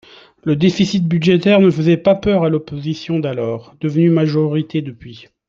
Le déficit budgétaire ne faisait pas peur à l’opposition d’alors, devenue majorité depuis.